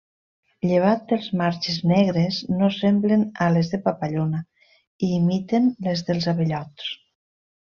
Llevat dels marges negres, no semblen ales de papallona i imiten les dels abellots.